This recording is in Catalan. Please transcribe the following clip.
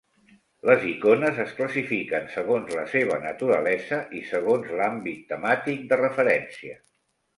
Les icones es classifiquen segons la seva naturalesa i segons l’àmbit temàtic de referència.